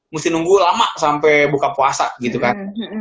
mesti nunggu lama sampai buka puasa gitu kan